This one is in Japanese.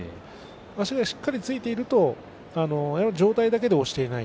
足がしっかりついていると上体だけで押していない。